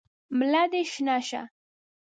ملا دي شنه شه !